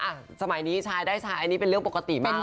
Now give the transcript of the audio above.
สมัยนี้ชายได้ชายอันนี้เป็นเรื่องปกติมาก